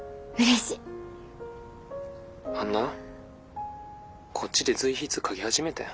あんなこっちで随筆書き始めてん。